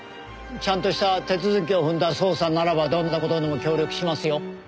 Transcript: ちゃんとした手続きを踏んだ捜査ならばどんな事にも協力しますよ。